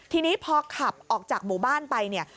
ทีนี้พอขับออกจากหมู่บ้านไปเนี่ย